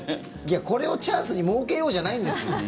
これをチャンスにもうけようじゃないんですよ。